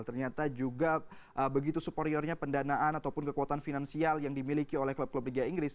ternyata juga begitu superiornya pendanaan ataupun kekuatan finansial yang dimiliki oleh klub klub liga inggris